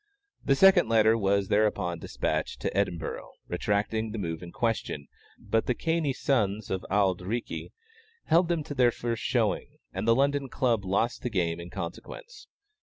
A second letter was thereupon despatched to Edinburgh, retracting the move in question, but the cannie sons of Auld Reekie held them to their first showing, and the London Club lost the game in consequence.